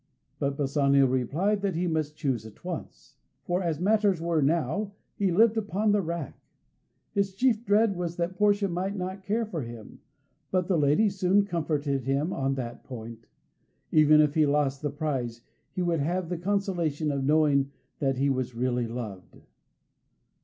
But Bassanio replied that he must choose at once, for as matters were now he lived upon the rack. His chief dread was that Portia might not care for him, but the lady soon comforted him on that point. Even if he lost the prize, he would have the consolation of knowing that he was really loved.